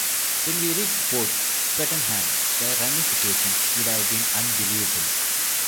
When we reached Port Swettenham, the ramifications would have been unbelievable.